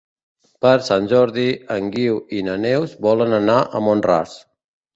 Per Sant Jordi en Guiu i na Neus volen anar a Mont-ras.